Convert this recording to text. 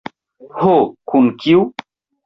Ho, kun kiu?